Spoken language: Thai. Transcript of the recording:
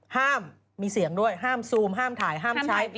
ห้ามมีเสียงด้วยห้ามซูมห้ามถ่ายห้ามใช้